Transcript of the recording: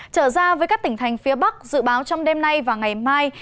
trở ra với các tỉnh thành phía bắc dự báo trong đêm nay và ngày mai